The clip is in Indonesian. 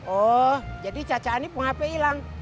oh jadi caca ani punggah hape hilang